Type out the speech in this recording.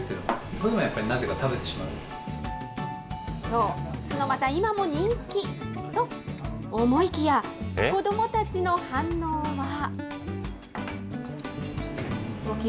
そう、ツノマタ、今も人気と思いきや、子どもたちの反応は。